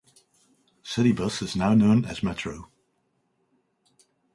Citybus is now known as Metro.